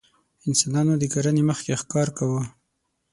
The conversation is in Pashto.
انسانانو د کرنې مخکې ښکار کاوه.